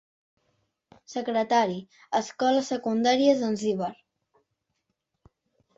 Secretari, Escola Secundària Zanzibar.